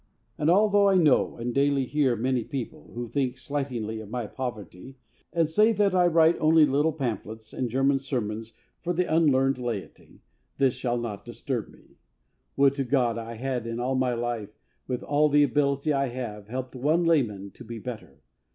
And although I know and daily hear many people, who think slightingly of my poverty, and say that I write only little pamphlets and German sermons for the unlearned laity, this shall not disturb me. Would to God I had in all my life, with all the ability I have, helped one layman to be better!